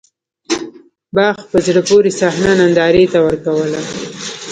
باغ په زړه پورې صحنه نندارې ته ورکوّله.